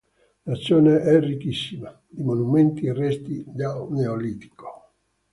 La zona è ricchissima di monumenti e resti del Neolitico.